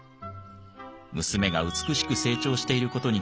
娘が美しく成長している事に気付き